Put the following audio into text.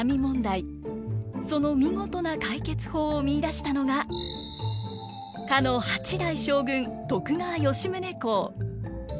その見事な解決法を見いだしたのがかの八代将軍徳川吉宗公。